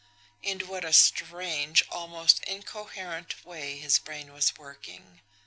In what a strange, almost incoherent way his brain was working!